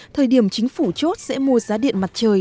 thời điểm chính phủ chốt sẽ mua giá điện mặt trời